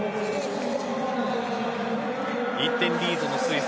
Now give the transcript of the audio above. １点リードのスイス。